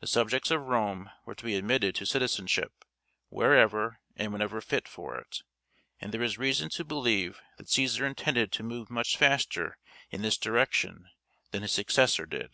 The subjects of Rome were to be admitted to citizenship, wherever and whenever fit for it; and there is reason to believe that Cæsar intended to move much faster in this direction than his successor did.